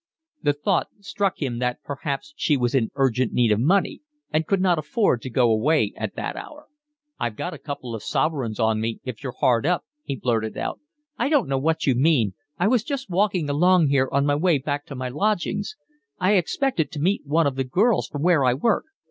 The thought struck him that perhaps she was in urgent need of money and could not afford to go away at that hour. "I've got a couple of sovereigns on me if you're hard up," he blurted out. "I don't know what you mean. I was just walking along here on my way back to my lodgings. I expected to meet one of the girls from where I work."